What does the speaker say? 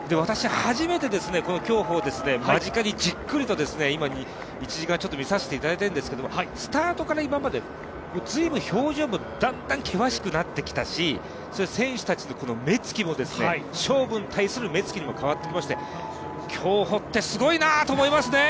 この競歩を間近でじっくりと１時間ちょっと見させていただいているんですけどスタートから今まで、ずいぶん表情もだんだん険しくなってきたし選手たちの目つきも勝負に対する目つきに変わってきて、競歩ってすごいなあと思いますね。